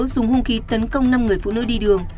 dùng hung khí tấn công năm người phụ nữ đi đường